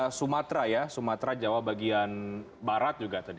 seperti sumatra ya sumatra jawa bagian barat juga tadi